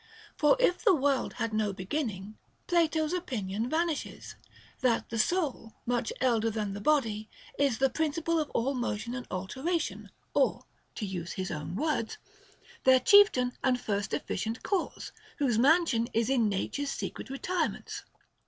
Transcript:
For if the world had no beginning, Plato's opinion van ishes, — that the soul, much elder than the body, is the principle of all motion and alteration, or (to use his own words) their chieftain and first efficient cause, whose mansion is in Nature's secret retirements.